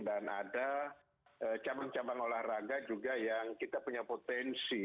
dan ada cabang cabang olahraga juga yang kita punya potensi